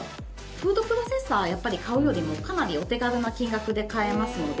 フードプロセッサーを買うよりもかなりお手軽な金額で買えますので。